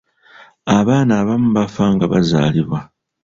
Abaana abamu bafa nga bazaalibwa.